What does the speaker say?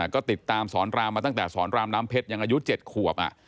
ก็ติดตามสอนรามมาตั้งแต่สอนรามน้ำเพชรยังอายุ๗ขวบ